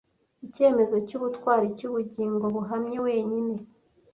Icyemezo cyubutwari cyubugingo buhamye wenyine: